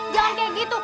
jangan kayak gitu